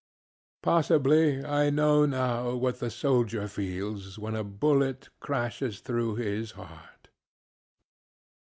ŌĆØ Possibly I know now what the soldier feels when a bullet crashes through his heart.